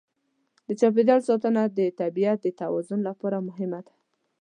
د چاپېریال ساتنه د طبیعت د توازن لپاره مهمه ده.